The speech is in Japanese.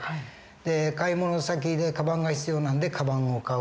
で買い物先でカバンが必要なんでカバンを買う。